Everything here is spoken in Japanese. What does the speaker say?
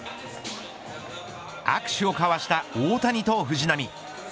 握手を交わした大谷と藤浪。